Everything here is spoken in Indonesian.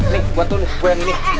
nih buat dulu gue yang ini